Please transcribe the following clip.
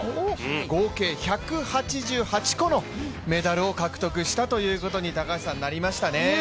合計１８８個のメダルを獲得したということになりました。